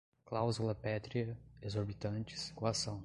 cláusula pétrea, exorbitantes, coação